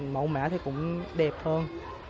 mẫu mã thì cũng đẹp hơn